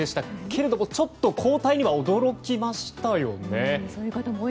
けれども交代には驚きましたよね。